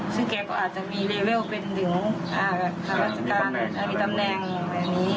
ซึ่งแกก็อาจจะมีเลเวลเป็นหนึ่งอ่ามีตำแน่งมีตำแน่งแบบนี้